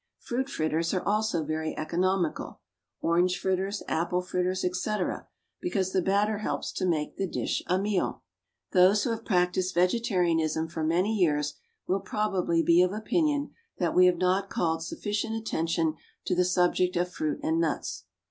Fruit fritters are also very economical orange fritters, apple fritters, &c., because the batter helps to make the dish a meal. Those who have practised vegetarianism for many years will probably be of opinion that we have not called sufficient attention to the subject of fruit and nuts.